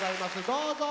どうぞ！